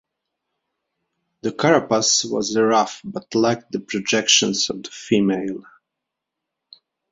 The carapace was rough but lacked the projections of the female.